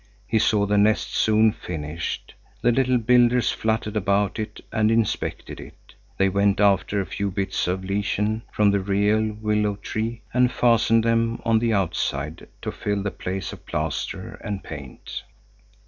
He saw the nest soon finished. The little builders fluttered about it and inspected it. They went after a few bits of lichen from the real willow tree and fastened them on the outside, to fill the place of plaster and paint.